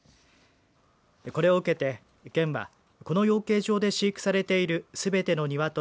これを受けて県はこの養鶏場で飼育されているすべての鶏